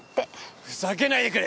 ふざけないでくれ！